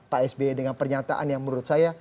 pak sby dengan pernyataan yang menurut saya